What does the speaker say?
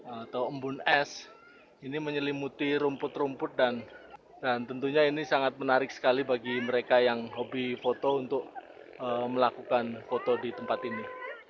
atau embun es ini menyelimuti rumput rumput dan tentunya ini sangat menarik sekali bagi mereka yang hobi foto untuk melakukan foto di tempat ini